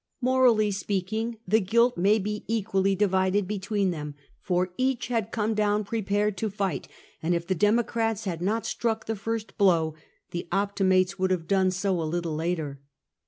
Morally speaking, the guilt may be equally divided between them, for each had come down prepared to fight, and if the Democrats had not struck the first blow, the Optimates would have done so a little later.